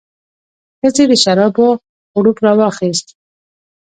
ښځې د شرابو غوړپ راواخیست.